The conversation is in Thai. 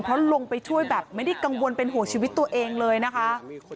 เพราะลงไปช่วยแบบไม่ได้กังวลเป็นห่วงชีวิตตัวเองเลยนะคะ